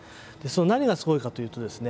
何がすごいかというとですね